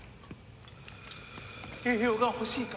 栄養が欲しいか？